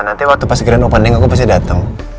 nanti waktu pas grand opening aku pasti dateng